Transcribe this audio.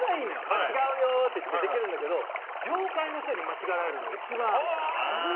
違うよって言ってできるんだけど業界の人に間違えられるのが一番あって。